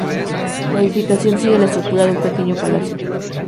La edificación sigue la estructura de un pequeño palacio.